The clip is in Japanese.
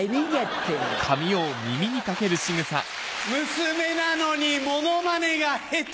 娘なのにモノマネが下手！